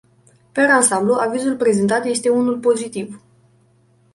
Per ansamblu, avizul prezentat este unul pozitiv.